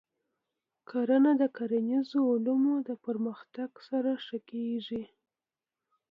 کرنه د کرنیزو علومو د پرمختګ سره ښه کېږي.